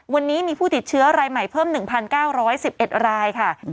วันนี้มีผู้ติดเชื้อรายใหม่เพิ่ม๑๙๑๑รายค่ะ